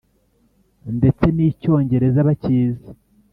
Ndetse n'icyongereza bacyizi